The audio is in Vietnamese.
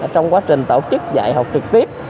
trong quá trình tổ chức dạy học trực tiếp